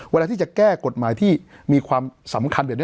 เวลาที่จะแก้กฎหมายที่มีความสำคัญแบบนี้